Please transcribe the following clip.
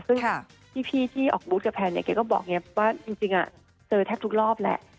ซึ่งพี่ที่ออกบูธกับแผนเนี่ยเขาก็บอกอย่างนี้ว่าจริงอ่ะเจอแทบทุกรอบแหละ